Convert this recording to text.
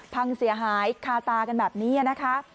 พังเสียหายคาตากันแบบนี้นะคะ